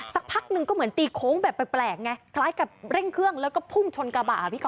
สักพักหนึ่งก็เหมือนตีโค้งแบบแปลกไงคล้ายกับเร่งเครื่องแล้วก็พุ่งชนกระบะพี่ก